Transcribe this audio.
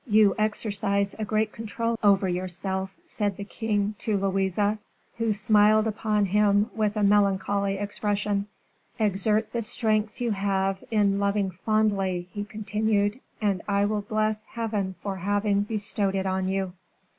"You exercise a great control over yourself," said the king to Louise, who smiled upon him with a melancholy expression. "Exert the strength you have in loving fondly," he continued, "and I will bless Heaven for having bestowed it on you."